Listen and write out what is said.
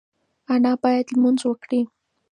انا باید لمونځ وکړي.